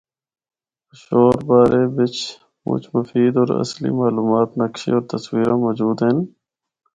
پشور بارے بچ مچ مفید اور اصلی معلومات، نقشے ہور تصویراں موجود ہن۔